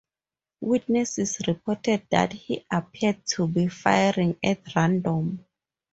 Witnesses reported that he appeared to be firing at random.